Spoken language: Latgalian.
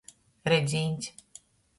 Redzīņs.